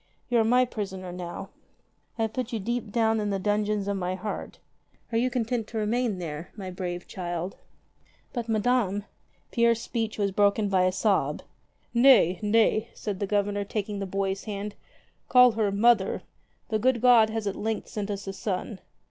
You are my prisoner now. I have put you deep down in the dungeon of my heart. Are you content to remain there, my brave child ?" 47 madame " Pierre's speech was broken by a sob. "Nay, nay," said the Governor, taking the boy's hand. "Call her — mother. The good God has at length sent us a son.